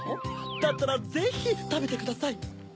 だったらぜひたべてください。